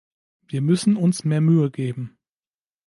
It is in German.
Wir müssen uns mehr Mühe geben.